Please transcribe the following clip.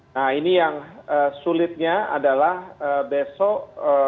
nah ini yang sulitnya adalah besok